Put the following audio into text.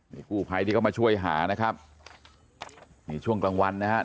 นี่กู้ภัยที่เขามาช่วยหานะครับนี่ช่วงกลางวันนะฮะ